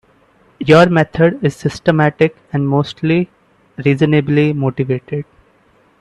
Your method is systematic and mostly reasonably motivated.